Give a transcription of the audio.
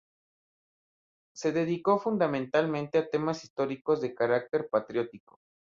Se dedicó fundamentalmente a temas históricos de carácter patriótico.